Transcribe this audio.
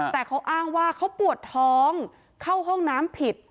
แต่เขาอ้างว่าเขาปวดท้องเข้าห้องน้ำผิด